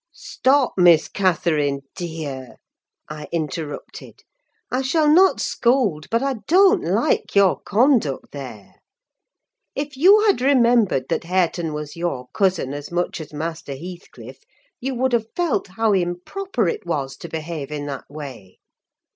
"Stop, Miss Catherine, dear!" I interrupted. "I shall not scold, but I don't like your conduct there. If you had remembered that Hareton was your cousin as much as Master Heathcliff, you would have felt how improper it was to behave in that way.